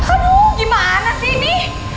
aduh gimana sih ini